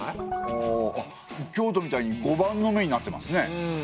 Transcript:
ああっ京都みたいに碁盤の目になってますね。